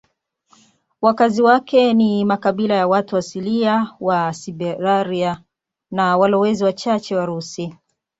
Wakazi wake ni makabila ya watu asilia wa Siberia na walowezi wachache Warusi.